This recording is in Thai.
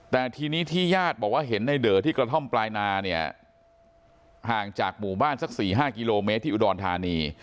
แต่ทีนี้ที่ญาติบอกว่าเห็นในเดอที่กระท่อมปลายนาเนี่ยห่างจากหมู่บ้านสัก๔๕กิโลเมตรที่อุดรธานี